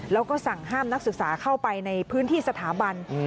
แล้วก็สั่งห้ามนักศึกษาเข้าไปในพื้นที่สถาบัน